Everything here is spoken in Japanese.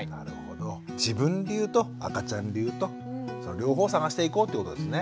自分流と赤ちゃん流と両方探していこうってことですね。